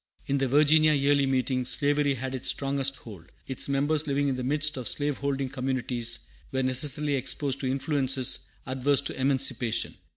In the Virginia Yearly Meeting slavery had its strongest hold. Its members, living in the midst of slave holding communities, were necessarily exposed to influences adverse to emancipation.